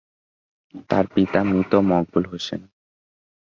তার পিতা মৃত মকবুল হোসেন।